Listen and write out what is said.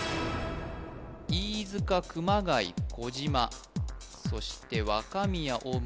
飯塚熊谷小島そして若宮大村